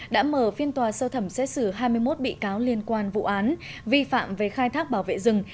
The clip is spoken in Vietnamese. đã mở phiên tòa sơ thẩm xét xử hai mươi một bị cáo liên quan vụ án vi phạm về khai thác bảo vệ rừng